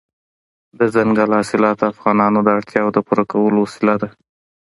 دځنګل حاصلات د افغانانو د اړتیاوو د پوره کولو وسیله ده.